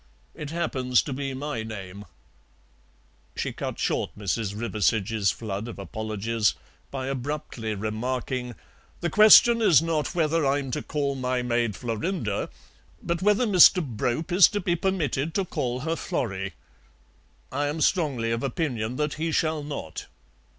It happens to be my name." She cut short Mrs. Riversedge's flood of apologies by abruptly remarking: "The question is not whether I'm to call my maid Florinda, but whether Mr. Brope is to be permitted to call her Florrie. I am strongly of opinion than he shall not."